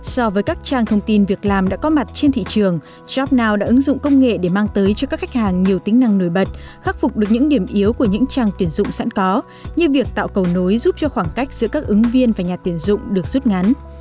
so với các trang thông tin việc làm đã có mặt trên thị trường jobnow đã ứng dụng công nghệ để mang tới cho các khách hàng nhiều tính năng nổi bật khắc phục được những điểm yếu của những trang tuyển dụng sẵn có như việc tạo cầu nối giúp cho khoảng cách giữa các ứng viên và nhà tuyển dụng được rút ngắn